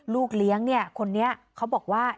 ลูกเลี้ยงคนนี้เขาบอกว่า